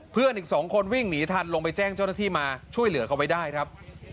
เพื่อนอีกสองคนวิ่งหนีทันลงไปแจ้งเจ้าหน้าที่มาช่วยเหลือเขาไว้ได้ครับ